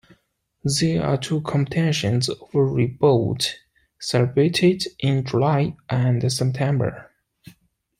There are two competitions of rebote, celebrated in July and September.